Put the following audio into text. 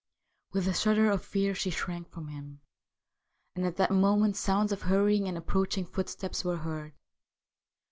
With a shudder of fear she shrank from him, and at that moment sounds of hurrying and approaching footsteps were heard.